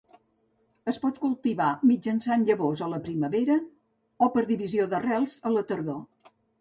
Es pot cultivar mitjançant llavors a la primavera o per divisió d'arrels a la tardor.